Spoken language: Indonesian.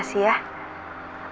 mas makasih ya